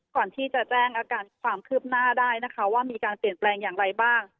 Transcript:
ก่อนที่จะแจ้งอาการความคืบหน้าได้นะคะว่ามีการเปลี่ยนแปลงอย่างไรบ้าง